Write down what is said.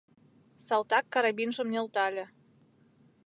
Салтак карабинжым нӧлтале.